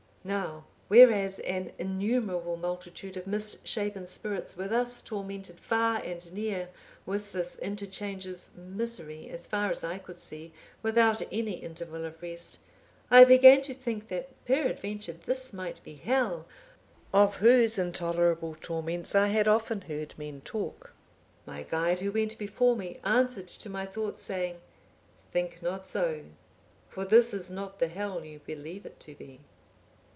Now whereas an innumerable multitude of misshapen spirits were thus tormented far and near with this interchange of misery, as far as I could see, without any interval of rest, I began to think that peradventure this might be Hell, of whose intolerable torments I had often heard men talk. My guide, who went before me, answered to my thought, saying, 'Think not so, for this is not the Hell you believe it to be.